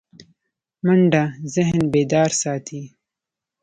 منډه ذهن بیدار ساتي